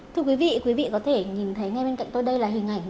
thưa quý vị quý vị có thể nhìn thấy ngay bên cạnh tôi đây là hình ảnh